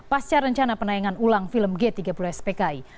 pasca rencana penayangan ulang film g tiga puluh spki